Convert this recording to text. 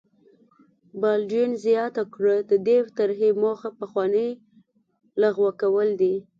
بالډوین زیاته کړه د دې طرحې موخه پخوانۍ لغوه کول دي.